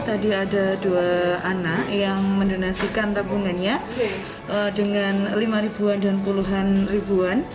tadi ada dua anak yang mendonasikan tabungannya dengan rp lima dan rp sepuluh